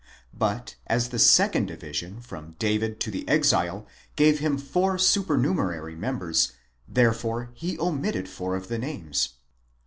But as the second division from David to the exile gave him four supernumerary members, therefore he omitted four of the names.